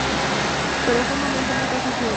Pero fue un momento muy pasajero.